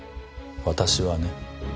私はね。